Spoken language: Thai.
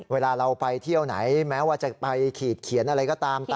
เวลาเราไปเที่ยวไหนแม้ว่าจะไปขีดเขียนอะไรก็ตาม